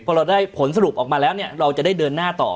พอเราได้ผลสรุปออกมาแล้วเนี่ยเราจะได้เดินหน้าต่อ